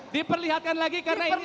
di perlihatkan lagi karena ini saatnya